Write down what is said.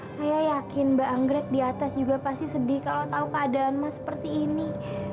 saya yakin mbak anggrek di atas juga pasti sedih kalau tahu keadaan mas seperti ini